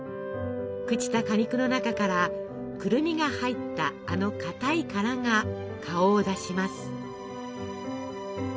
朽ちた果肉の中からくるみが入ったあのかたい殻が顔を出します。